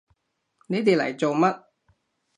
你哋嚟做乜？